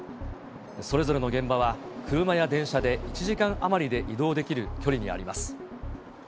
それぞれの現場は、車や電車で１時間余りで移動できる距離にあります。